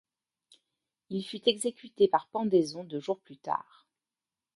Il fut exécuté par pendaison deux jours plus tard.